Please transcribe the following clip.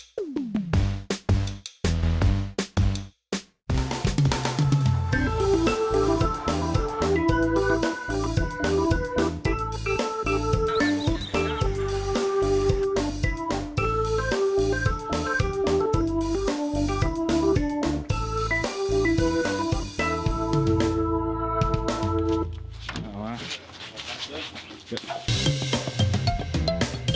คุณผู้ชมเดี๋ยวช่วงหน้ารับรองว่าเรายังมีอีกเทียบเลยสักครู่ค่ะ